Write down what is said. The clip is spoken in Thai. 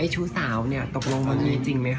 ชู้สาวตกลงมันมีจริงไหมครับ